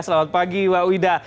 selamat pagi wak wida